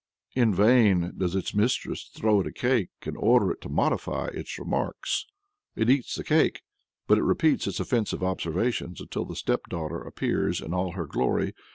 In vain does its mistress throw it a cake, and order it to modify its remarks. It eats the cake, but it repeats its offensive observations, until the stepdaughter appears in all her glory.